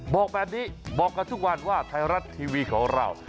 บอกแบบนี้บอกกันทุกวันว่าไทยรัฐทีวีของเรา